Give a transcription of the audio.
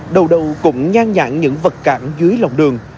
đầu đầu cũng nhan nhãn những vật cản dưới lòng đường